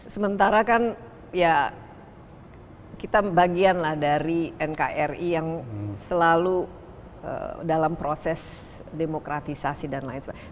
sementara kan ya kita bagian lah dari nkri yang selalu dalam proses demokratisasi dan lain sebagainya